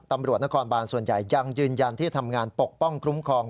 ตำรวจนครบานส่วนใหญ่ยังยืนยันที่จะทำงานปกป้องคุ้มครอง